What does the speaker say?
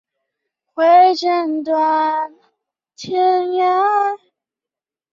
兴趣是影片录制。